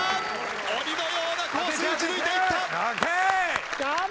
鬼のようなコースに打ち抜いていった！